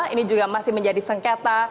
ini juga masih menjadi sengketa